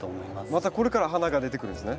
またこれから花が出てくるんですね。